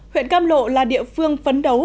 huyện cam lộ là địa phương phấn đấu